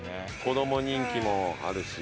子ども人気もあるし。